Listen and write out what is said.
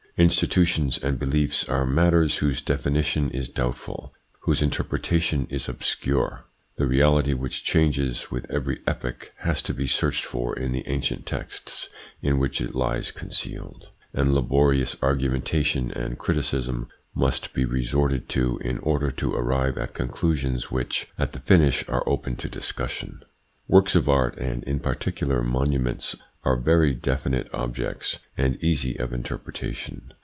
Institutions and beliefs are matters whose definition is doubtful, whose interpreta tion is obscure. The reality, which changes with every epoch, has to be searched for in the ancient texts in which it lies concealed, and laborious argu mentation and criticism must be resorted to in order to arrive at conclusions which, at the finish, are open to discussion. Works of art, and in particular monu ments, are very definite objects, and easy of interpre tation.